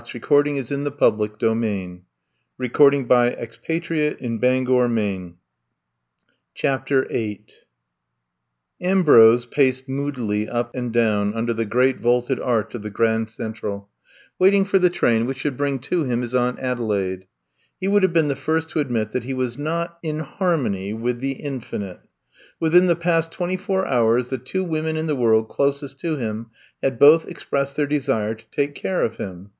Would you be fool enough to love me even if my golden wings were draggled f CHAPTER Vin AMBROSE paced moodily up and down under the great vaulted arch of the Grand Central, waiting for the train which should bring to him his Aunt Adelaide. He would have been the first to admit that he was not in Harmony with the Infinite. Within the past twenty four hours the twa women in the world closest to him had both expressed their desire to take care of him.